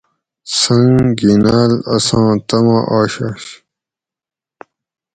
سنگ گینال اساں طمع آشںش